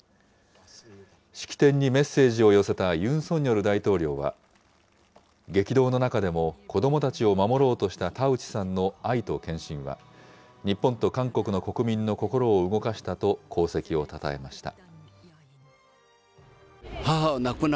式典にメッセージを寄せたユン・ソンニョル大統領は、激動の中でも子どもたちを守ろうとした田内さんの愛と献身は、日本と韓国の国民の心を動かしたと功績をたたえました。